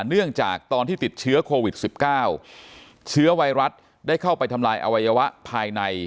เนื่องจากตอนที่ติดเชื้อโควิด๑๙เชื้อไวรัสได้เข้าไปทำลายอวัยวะภายใน